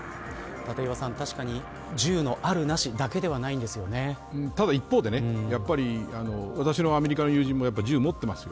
立岩さん、確かに銃のあるなしだけでは一方で、やっぱり私のアメリカの友人も銃を持っています。